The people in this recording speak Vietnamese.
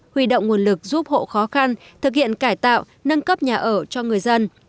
huy động nguồn lực giúp hộ khó khăn thực hiện cải tạo nâng cấp nhà ở cho người dân